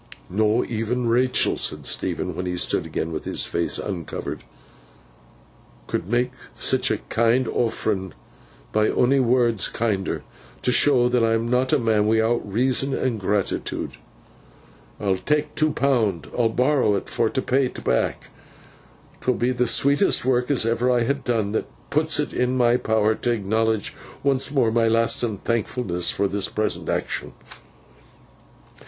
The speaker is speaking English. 'Not e'en Rachael,' said Stephen, when he stood again with his face uncovered, 'could mak sitch a kind offerin, by onny words, kinder. T' show that I'm not a man wi'out reason and gratitude, I'll tak two pound. I'll borrow 't for t' pay 't back. 'Twill be the sweetest work as ever I ha done, that puts it in my power t' acknowledge once more my lastin thankfulness for this present action.